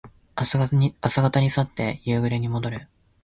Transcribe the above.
朝方に去って夕暮れにもどる。